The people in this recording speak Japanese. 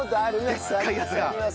でっかいやつが。